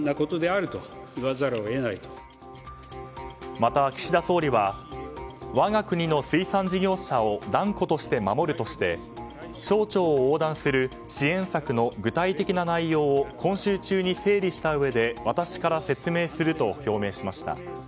また、岸田総理は我が国の水産事業者を断固として守るとして支援策の具体的な内容を今週中に整理したうえで私から説明すると表明しました。